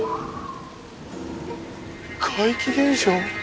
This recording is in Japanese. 怪奇現象？